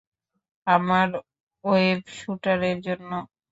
আমার ওয়েব শুটারের জন্য।